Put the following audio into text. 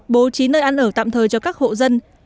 bố trí nơi ăn ở tạm thời cho các hộ dân